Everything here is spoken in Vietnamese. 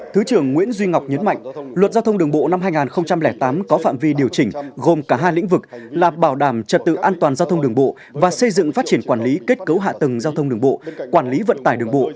thứ trưởng nguyễn duy ngọc nhấn mạnh luật giao thông đường bộ năm hai nghìn tám có phạm vi điều chỉnh gồm cả hai lĩnh vực là bảo đảm trật tự an toàn giao thông đường bộ và xây dựng phát triển quản lý kết cấu hạ tầng giao thông đường bộ quản lý vận tải đường bộ